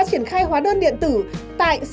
triển khai hóa đơn điện tử tại sáu